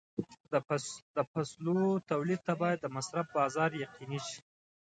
د فصلو تولید ته باید د مصرف بازار یقیني شي.